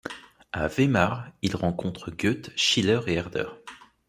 À Weimar, il rencontre Goethe, Schiller et Herder.